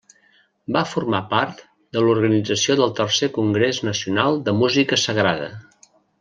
Va formar part de l'organització del Tercer Congrés Nacional de Música Sagrada.